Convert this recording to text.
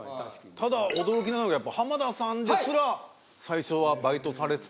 ただ驚きなのがやっぱ浜田さんですら最初はバイトされてた。